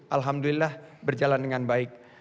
alhamdulillah berjalan dengan baik